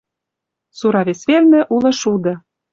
«Сура вес велнӹ улы шуды». —